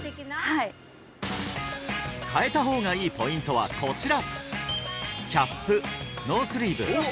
はい変えた方がいいポイントはこちら！